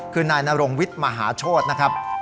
คือนายนรงวิทย์มหาโชธนะครับ